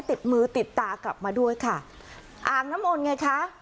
ติดมือติดตากลับมาด้วยค่ะอ่างน้ำมนต์ไงคะ